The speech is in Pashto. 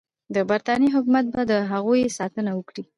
د برټانیې حکومت به د هغوی ساتنه وکړي.